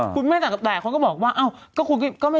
คุณแม่ต่อกับแด่บอกว่า